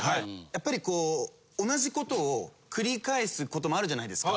やっぱりこう同じことを繰り返すこともあるじゃないですか。